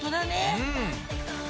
うん！